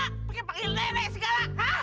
apa yang panggil nenek segala hah